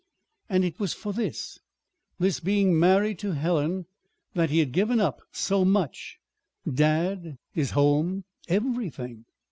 And it was for this, this being married to Helen, that he had given up so much: dad, his home, everything.